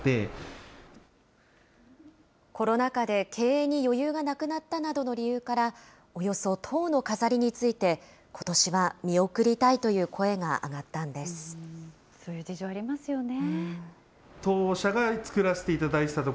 コロナ禍で経営に余裕がなくなったなどの理由から、およそ１０の飾りについて、ことしは見送りたいという声が上がっそういう事情ありますよね。